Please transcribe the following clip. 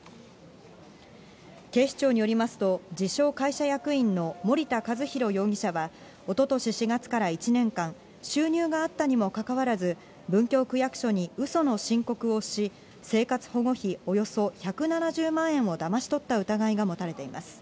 警視庁によりますと、自称会社役員の森田和洋容疑者は、おととし４月から１年間、収入があったにもかかわらず、文京区役所にうその申告をし、生活保護費およそ１７０万円をだまし取った疑いが持たれています。